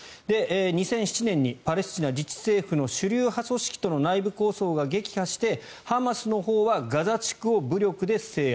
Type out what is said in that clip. ２００７年にパレスチナ自治政府の主流派組織との内部抗争が激化してハマスのほうはガザ地区を武力で制圧。